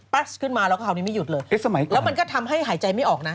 ขึ้นมาแล้วก็คราวนี้ไม่หยุดเลยแล้วมันก็ทำให้หายใจไม่ออกนะ